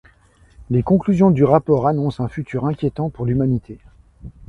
Les conclusions du rapport annoncent un futur inquiétant pour l'humanité.